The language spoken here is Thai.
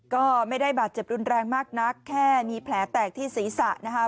ก็ไม่ได้บาดเจ็บรุนแรงมากนักแค่มีแผลแตกที่ศีรษะนะคะ